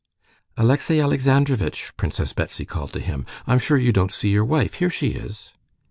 "Alexey Alexandrovitch!" Princess Betsy called to him; "I'm sure you don't see your wife: here she is."